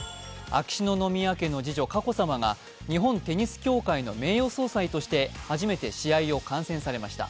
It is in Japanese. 秋篠宮家の次女、佳子さまが日本テニス協会の名誉総裁として初めて試合を観戦されました。